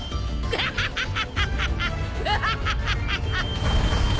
アハハハ！